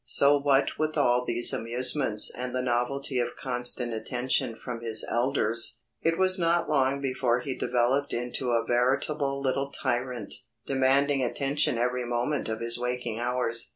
So what with all these amusements and the novelty of constant attention from his elders, it was not long before he developed into a veritable little tyrant, demanding attention every moment of his waking hours.